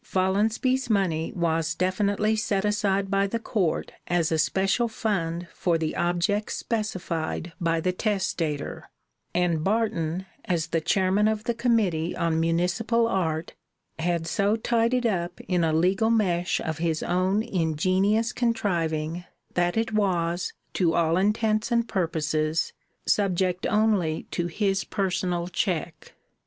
Follonsby's money was definitely set aside by the court as a special fund for the objects specified by the testator, and Barton, as the Chairman of the Committee on Municipal Art, had so tied it up in a legal mesh of his own ingenious contriving that it was, to all intents and purposes, subject only to his personal check.